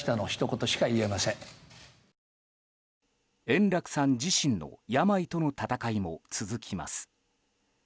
円楽さん自身の病との闘いも続きます。